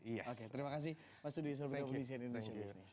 yes oke terima kasih mas sudi surabaya komunisian international business